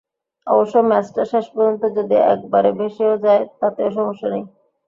অবশ্য ম্যাচটা শেষ পর্যন্ত যদি একেবারে ভেসেও যায়, তাতেও সমস্যা নেই।